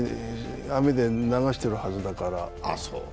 雨で流しているわけだから。